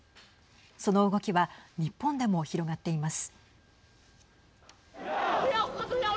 その動きは日本でも広がっています。